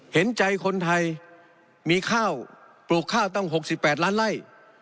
เห็นใจคนไทยมีข้าวปลูกข้าวตั้ง๖๘ล้านไล่